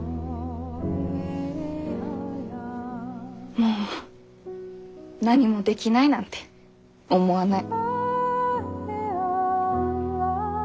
もう何もできないなんて思わない。